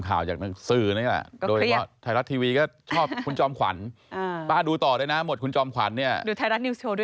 ก็บอกสู้แค่นั้นแหละ